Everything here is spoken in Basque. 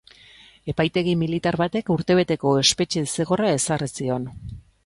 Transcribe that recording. Epaitegi militar batek urtebeteko espetxe zigorra ezarri zion.